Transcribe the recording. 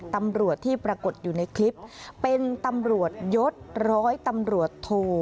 ตำรวจที่ปรากฏอยู่ในคลิปเป็นตำรวจยศร้อยตำรวจโท